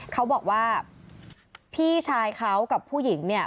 เขาบอกว่าพี่ชายเขากับผู้หญิงเนี่ย